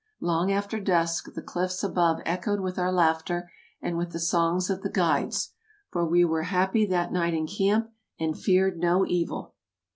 Long after dusk the cliffs above echoed with our laughter and with the songs of the guides, for we were happy that night in camp, and feared no evil.